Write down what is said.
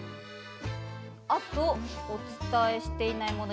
あとお伝えしていないもの